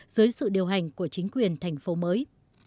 dưới sự điều hành của chính quyền thành phố mới